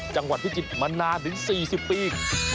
จังหวัดพิจิตรมานานถึง๔๐ปี